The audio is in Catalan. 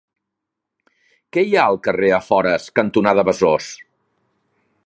Què hi ha al carrer Afores cantonada Besòs?